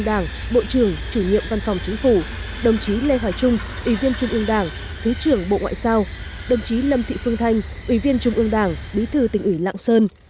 đồng chí lâm thị phương thanh ủy viên trung ương đảng bí thư tỉnh ủy lạng sơn